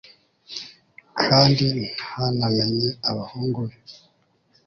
kandi ntanamenye abahungu be